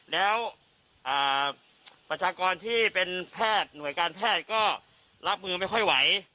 แล้วประชากรที่เป็นแพทย์หน่วยการแพทย์ก็รับมือไม่ค่อยไหว